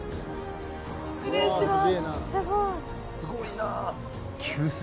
失礼します。